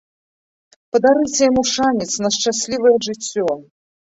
Падарыце яму шанец на шчаслівае жыццё!